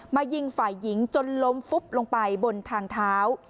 ยิงฝ่ายหญิงจนล้มฟุบลงไปบนทางเท้า